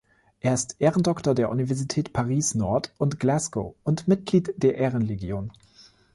Er ist Ehrendoktor der Universität Paris-Nord und Glasgow und Mitglied der Ehrenlegion.